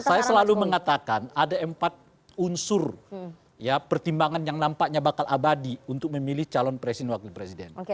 saya selalu mengatakan ada empat unsur ya pertimbangan yang nampaknya bakal abadi untuk memilih calon presiden wakil presiden